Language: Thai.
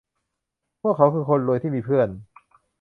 พวกเขาคือคนรวยผู้ที่มีเพื่อน